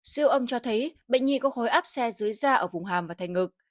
siêu âm cho thấy bệnh nhi có khối áp xe dưới da ở vùng hàm và thành ngực